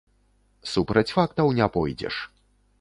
Супраць фактаў не пойдзеш.